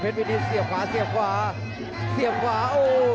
กรรมการเผชน์วินิสต์เสียขวาเสียขวา